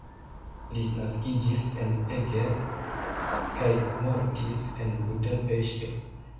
Li naskiĝis en Eger kaj mortis en Budapeŝto.